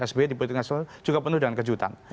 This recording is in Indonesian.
sby di politik nasional juga penuh dengan kejutan